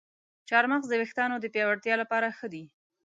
چارمغز د ویښتانو د پیاوړتیا لپاره ښه دی.